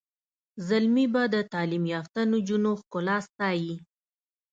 زلمي به د تعلیم یافته نجونو ښکلا ستایي.